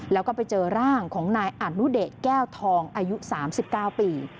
แล้วก็ไปเจอร่างของนายอนุเดชแก้วทองอายุ๓๙ปี